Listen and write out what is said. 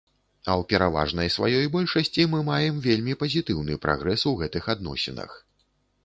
А ў пераважнай сваёй большасці мы маем вельмі пазітыўны прагрэс у гэтых адносінах.